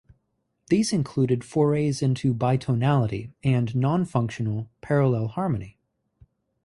These included forays into bitonality and non-functional, parallel harmony.